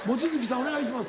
お願いします。